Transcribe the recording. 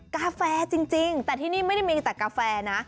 กาแฟจริงแต่ที่นี่ไม่ได้มีแต่กาแฟนะ